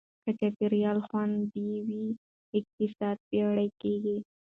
که چاپېریال خوندي وي، اقتصاد پیاوړی کېږي.